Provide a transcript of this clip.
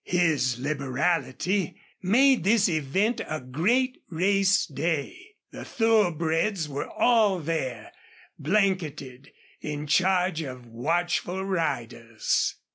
His liberality made this event a great race day. The thoroughbreds were all there, blanketed, in charge of watchful riders.